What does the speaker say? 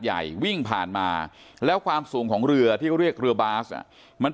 ใหญ่วิ่งผ่านมาแล้วความสูงของเรือที่เขาเรียกเรือบาสมัน